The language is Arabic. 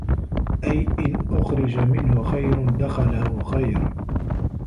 أَيْ إنْ أُخْرِجَ مِنْهُ خَيْرٌ دَخَلَهُ خَيْرٌ